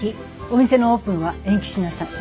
お店のオープンは延期しなさい。